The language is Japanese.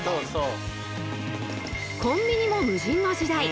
コンビニも無人の時代。